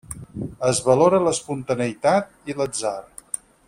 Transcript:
Es valora l'espontaneïtat i l'atzar.